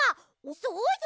そうだよ。